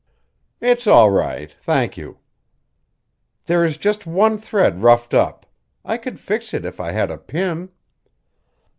"It's all right, thank you." "There is just one thread ruffed up. I could fix it if I had a pin."